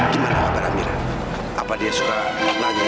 gimana bapak namira apa dia suka nanya nyapu